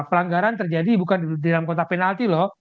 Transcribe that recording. pelanggaran terjadi bukan di dalam kotak penalti loh